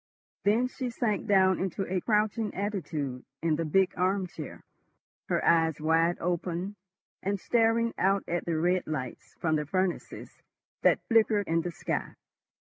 Then she sank down into a crouching attitude in the big arm chair, her eyes wide open and staring out at the red lights from the furnaces that flickered in the sky.